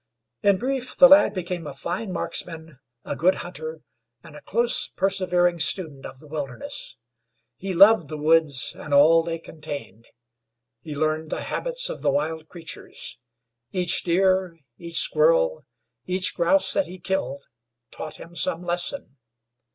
In brief, the lad became a fine marksman, a good hunter, and a close, persevering student of the wilderness. He loved the woods, and all they contained. He learned the habits of the wild creatures. Each deer, each squirrel, each grouse that he killed, taught him some lesson.